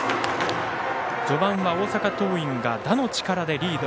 序盤は大阪桐蔭が打の力でリード。